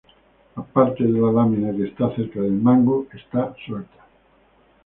La parte de la lámina que está cerca del mango, está suelta.